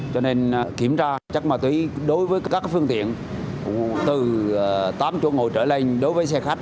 cho nên kiểm tra chất ma túy đối với các phương tiện từ tám chỗ ngồi trở lên đối với xe khách